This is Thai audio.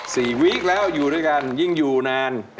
วีคแล้วอยู่ด้วยกันยิ่งอยู่นาน